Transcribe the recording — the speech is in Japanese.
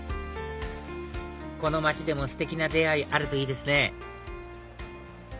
この街でもステキな出会いあるといいですね